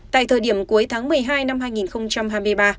tại thời điểm cuối tháng một mươi hai năm hai nghìn hai mươi ba